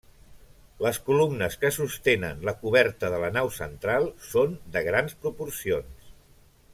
Les columnes que sostenen la coberta de la nau central són de grans proporcions.